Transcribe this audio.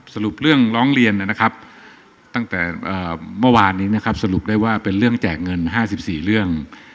สรุปเรื่องร้องเรียนนะครับตั้งแต่เมื่อวานนี้นะครับสรุปได้ว่าเป็นเรื่องแจกเงิน๕๔เรื่อง